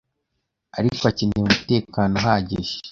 ariko akeneye umutekano uhagije